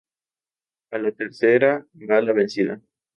A la tercera va la vencida